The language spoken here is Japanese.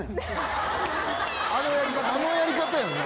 あのやり方ね。